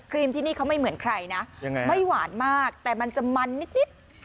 ที่นี่เขาไม่เหมือนใครนะยังไงไม่หวานมากแต่มันจะมันนิด